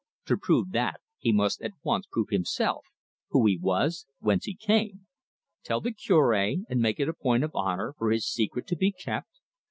To prove that, he must at once prove himself who he was, whence he came. Tell the Cure, and make it a point of honour for his secret to be kept?